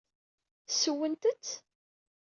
Ssewwent-tt?